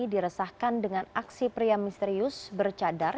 diresahkan dengan aksi pria misterius bercadar